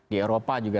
di eropa juga